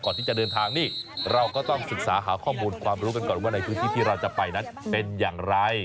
ก่อนที่จะเดินทางนี่เราก็ต้องศึกษาหาข้อมูลความรู้กันก่อนว่าในพื้นที่ที่เราจะไปนั้นเป็นอย่างไร